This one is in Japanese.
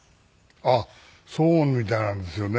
あっそうみたいなんですよね。